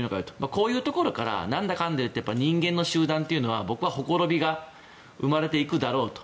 こういうところから何だかんだ言って人間の集団というのは僕は、ほころびが生まれていくだろうと。